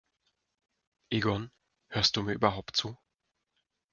Egon, hörst du mir überhaupt zu?